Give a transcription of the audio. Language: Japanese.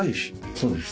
そうです。